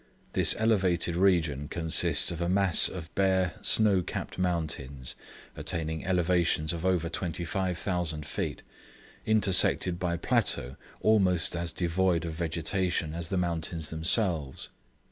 This elevated region consists of a mass of bare snow capped mountains attaining elevations of over 25,000 feet, intersected by plateaux almost as devoid of vegetation as the mountains themselves.